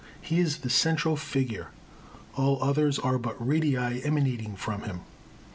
He is the central figure; all others are but radii emanating from him.